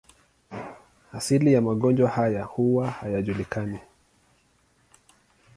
Asili ya magonjwa haya huwa hayajulikani.